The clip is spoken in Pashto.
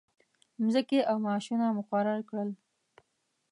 مځکې او معاشونه مقرر کړل.